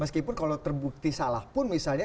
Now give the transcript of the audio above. meskipun kalau terbukti salah pun misalnya